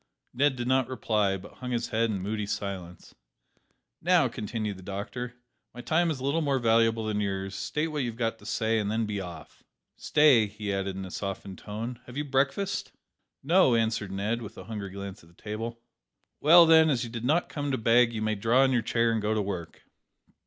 Ned did not reply, but hung his head in moody silence. "Now," continued the doctor, "my time is a little more valuable than yours; state what you have got to say, and then be off. Stay," he added, in a softened tone, "have you breakfasted?" "No," answered Ned, with a hungry glance at the table. "Well, then, as you did not come to beg, you may draw in your chair and go to work."